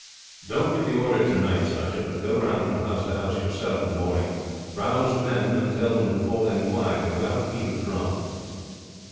"Don't give the order to night, sergeant; but go round from house to house yourself in the morning, rouse the men, and tell them to fall in quietly without beat of drum.